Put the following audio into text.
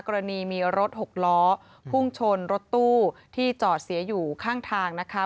กรณีมีรถหกล้อพุ่งชนรถตู้ที่จอดเสียอยู่ข้างทางนะคะ